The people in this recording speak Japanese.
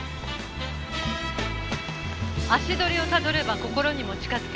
足取りをたどれば心にも近づける。